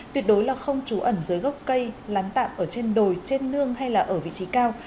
tuyệt đối là không trú ẩn dưới gốc cây lán tạm ở trên đồi trên nương hay là ở vị trí cao